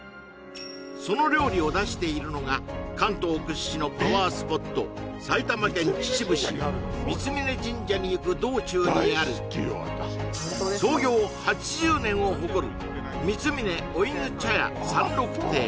その料理を出しているのが関東屈指のパワースポット埼玉県秩父市三峯神社に行く道中にある創業８０年を誇る